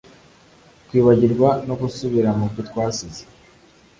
kwibagirwa no gusubiramubyo twasize